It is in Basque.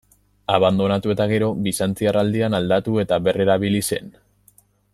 Abandonatu eta gero, Bizantziar aldian aldatu eta berrerabili zen.